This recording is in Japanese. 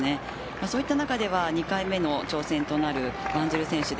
その中では２回目の挑戦となるワンジル選手